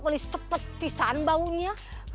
wali sepet pisang baunya